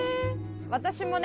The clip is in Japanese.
私もね